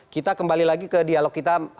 kita kembali lagi ke dialog kita